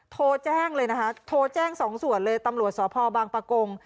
โทรแจ้งเลยนะคะโทรแจ้งสองส่วนเลยตำรวจสพบางปะกง